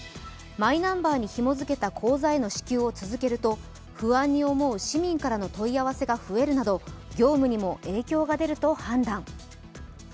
マイナンバーにひも付けた口座への支給を続けると不安に思う市民からの問い合わせが増えるなど業務にも影響が出ると判断。